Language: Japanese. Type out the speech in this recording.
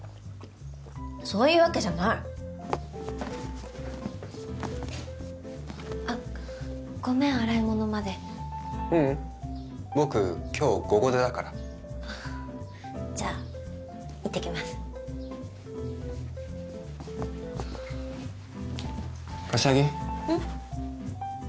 そういうわけじゃないあっごめん洗い物までううん僕今日午後出だからあっじゃあいってきます柏木うん？